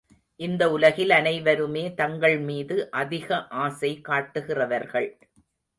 இந்த உலகில் அனைவருமே தங்கள்மீது அதிக ஆசை காட்டுகிறவர்கள்.